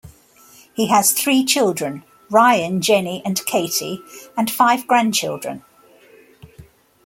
He has three children: Ryan, Jenny, and Katie, and five grandchildren.